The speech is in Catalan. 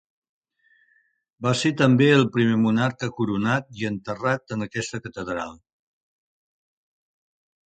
Va ser també el primer monarca coronat i enterrat en aquesta catedral.